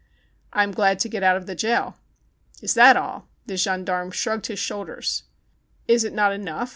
"I am glad to get out of the jail." "Is that all.''" The gendarme shrugged his shoulders. "Is it not enough